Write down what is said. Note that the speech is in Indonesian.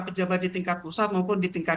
pejabat di tingkat pusat maupun di tingkat